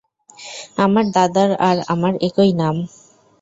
আমার দাদার আর আমার একই নাম।